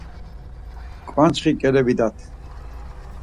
Ǩvançxi ǩele vidat.